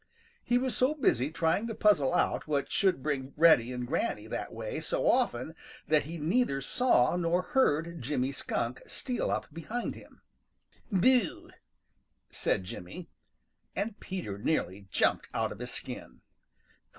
He was so busy trying to puzzle out what should bring Reddy and Granny that way so often that he neither saw nor heard Jimmy Skunk steal up behind him. [Illustration: 0036] "Boo!" said Jimmy, and Peter nearly jumped out of his skin.